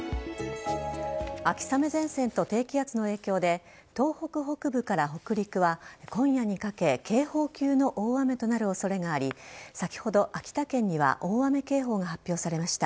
秋雨前線と低気圧の影響で東北北部から北陸は今夜にかけ警報級の大雨となる恐れがあり先ほど、秋田県には大雨警報が発表されました。